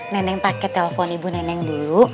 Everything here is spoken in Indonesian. neneng pakai telepon ibu neneng dulu